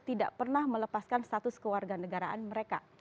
tidak pernah melepaskan status kewarganegaraan mereka